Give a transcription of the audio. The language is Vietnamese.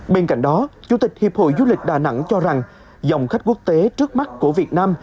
bên cạnh đó chủ tịch hiệp hội du lịch đà nẵng cho rằng dòng khách quốc tế trước mắt của việt nam